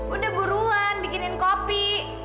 udah buruan bikinin kopi